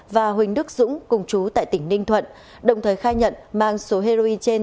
và huỳnh đức dũng cùng chú tại tỉnh ninh thuận đồng thời khai nhận mang số heroin trên